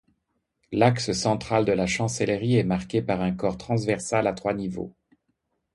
L'axe central de la chancellerie est marqué par un corps transversal à trois niveaux.